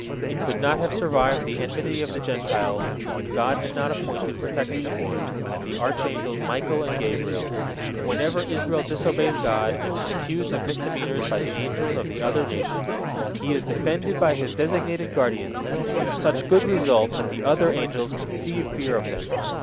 It could not have survived the enmity of the Gentiles, if God had not appointed protectors for it, the archangels Michael and Gabriel. Whenever Israel disobeys God, and is accused of misdemeanors by the angels of the other nations, he is defended by his designated guardians, with such good result that the other angels conceive fear of them.